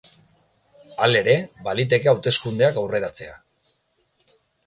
Halere, baliteke hauteskundeak aurreratzea.